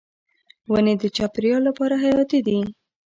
ونې د چاپیریال لپاره حیاتي دي.